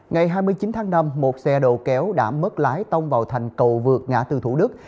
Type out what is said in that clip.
ngày hai mươi chín tháng năm một xe đầu kéo đã mất lái tông vào thành cầu vượt ngã tư thủ đức